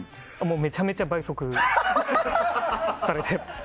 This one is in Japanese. めちゃめちゃ倍速されてます。